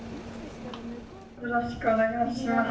よろしくお願いします。